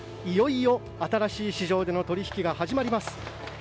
いよいよ新しい市場での取引が始まります。